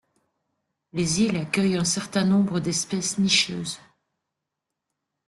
Les îles accueillent un certain nombre d'espèces nicheuses.